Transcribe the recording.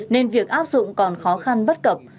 nên việc áp dụng còn khó khăn bất cập